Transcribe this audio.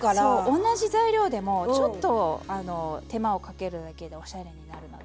同じ材料でもちょっと手間をかけるだけでおしゃれになるので。